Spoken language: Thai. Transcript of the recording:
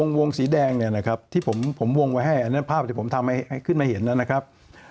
วงสีแดงเนี่ยนะครับที่ผมวงไว้ให้อันนั้นภาพที่ผมทำให้ขึ้นมาเห็นนะครับ